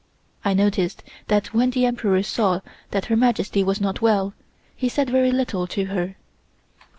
I noticed that when the Emperor saw that Her Majesty was not well, he said very little to her.